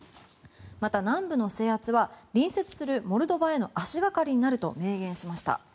また、南部の制圧は隣接するモルドバへの足掛かりになると明言しました。